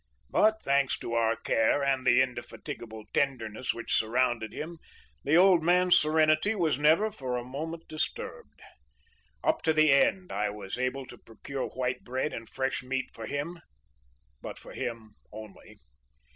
But, thanks to our care, and the indefatigable tenderness which surrounded him, the old man's serenity was never for a moment disturbed. Up to the end I was able to procure white bread and fresh meat for him, but for him only.